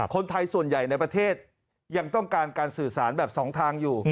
คนไทยส่วนใหญ่ในประเทศยังต้องการการสื่อสารแบบสองทางอยู่